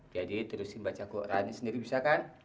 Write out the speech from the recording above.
jadi terusin baca quran sendiri bisa kan